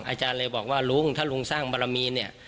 อาจารย์เลยบอกว่าลุงถ้าลุงสร้างบารมีเนี่ย